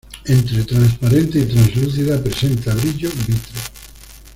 Entre transparente y translúcida, presenta brillo vítreo.